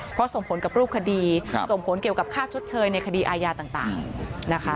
เพราะส่งผลกับรูปคดีส่งผลเกี่ยวกับค่าชดเชยในคดีอาญาต่างนะคะ